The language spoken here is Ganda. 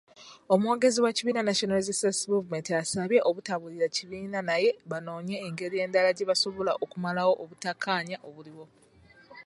Omwogezi w'ekibiina National Resistance Movement asabye obutaabulira kibiina naye banoonye engeri endala gyebasobola okumalawo obutakkanya obuliwo.